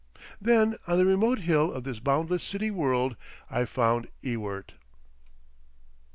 Then on the remote hill of this boundless city world I found Ewart.